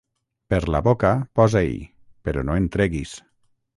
Per la boca, posa-hi, però no en treguis.